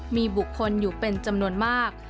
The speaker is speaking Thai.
มีบุคคลอยู่เป็นจำนวนมาก